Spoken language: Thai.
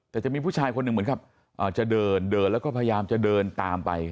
แต่จะมีผู้ชายคนหนึ่งเหมือนกับจะเดินเดินแล้วก็พยายามจะเดินตามไป